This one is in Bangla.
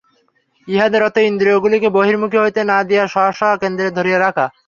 ইহাদের অর্থ ইন্দ্রিয়গুলিকে বহির্মুখী হইতে না দিয়া স্ব স্ব কেন্দ্রে ধরিয়া রাখা।